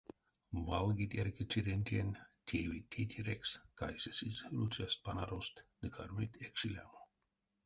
Валгить эрьке чирентень, теевить тейтерекс, кайсесызь руцяст-панарост ды кармить экшелямо.